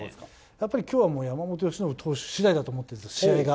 やっぱりきょうはもう山本由伸投手しだいだと思ってます、試合が。